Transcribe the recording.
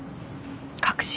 確信？